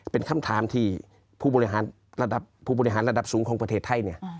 เป็นคำถามที่ผู้บริหารระดับสูงของประเทศไทยเนี่ย